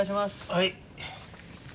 はい。